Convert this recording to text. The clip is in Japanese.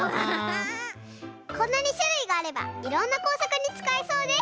こんなにしゅるいがあればいろんなこうさくにつかえそうです！